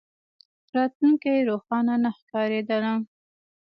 راتلونکې روښانه نه ښکارېدله.